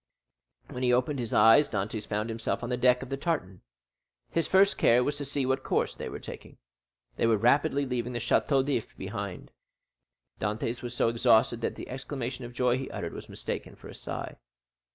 When he opened his eyes Dantès found himself on the deck of the tartan. His first care was to see what course they were taking. They were rapidly leaving the Château d'If behind. Dantès was so exhausted that the exclamation of joy he uttered was mistaken for a sigh.